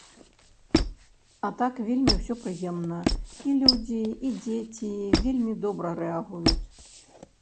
А так вельмі ўсё прыемна, і людзі, і дзеці вельмі добра рэагуюць.